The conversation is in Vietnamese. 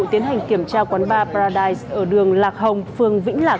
tiến hành kiểm tra quán bar paradise ở đường lạc hồng phường vĩnh lạc